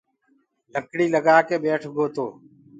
لڪڙيٚ لگآڪي ٻيٺَگو تو